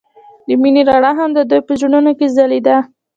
د مینه رڼا هم د دوی په زړونو کې ځلېده.